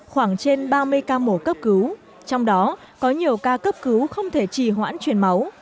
khoảng trên ba mươi ca mổ cấp cứu trong đó có nhiều ca cấp cứu không thể trì hoãn chuyển máu